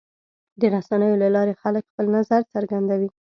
د رسنیو له لارې خلک خپل نظر څرګندوي.